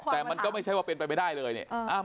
แต่มันก็ไม่ใช่ว่าเป็นไปไม่ได้เลยเนี่ย